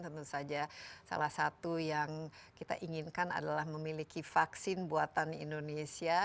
tentu saja salah satu yang kita inginkan adalah memiliki vaksin buatan indonesia